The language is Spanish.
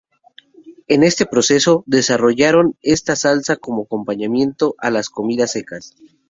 En este proceso, desarrollaron esta salsa como acompañamiento a las comidas secas.